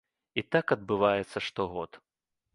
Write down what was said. І так адбываецца штогод.